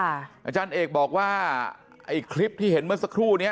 อาจารย์เอกบอกว่าไอ้คลิปที่เห็นเมื่อสักครู่นี้